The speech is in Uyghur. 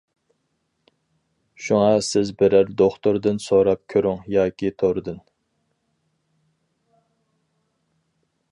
شۇڭا سىز بىرەر دوختۇردىن سوراپ كۆرۈڭ ياكى توردىن.